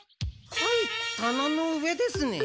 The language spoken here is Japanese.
「はいたなの上ですね」？